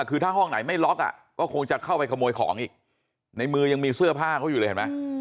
คือถ้าห้องไหนไม่ล็อกอ่ะก็คงจะเข้าไปขโมยของอีกในมือยังมีเสื้อผ้าเขาอยู่เลยเห็นไหม